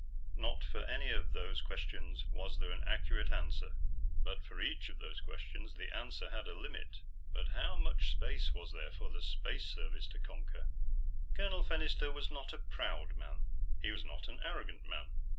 Not for any of those questions was there an accurate answer, but for each of those questions, the answer had a limit. But how much space was there for the Space Service to conquer? Colonel Fennister was not a proud man. He was not an arrogant man.